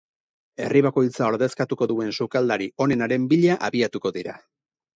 Herri bakoitza ordezkatuko duen sukaldari onenaren bila abiatuko dira.